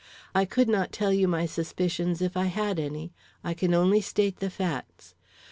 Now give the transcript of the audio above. I could not tell you my suspicions if I had any; I can only state the facts.